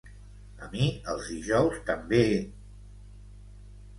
A mi els dijous també...